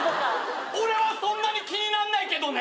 俺はそんなに気になんないけどね。